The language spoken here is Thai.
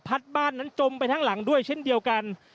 บ้านนั้นจมไปทั้งหลังด้วยเช่นเดียวกัน